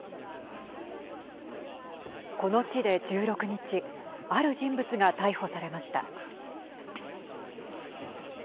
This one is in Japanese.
この地で１６日ある人物が逮捕されました。